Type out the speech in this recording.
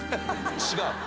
違う。